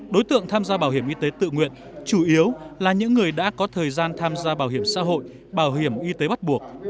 đối tượng tham gia bảo hiểm y tế tự nguyện chủ yếu là những người đã có thời gian tham gia bảo hiểm xã hội bảo hiểm y tế bắt buộc